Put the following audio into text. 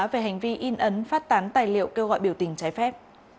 về hành vi in ấn phát tán tài liệu kêu gọi biểu tình trái phép